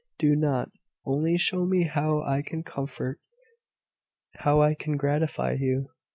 "Do not. Only show me how I can comfort how I can gratify you."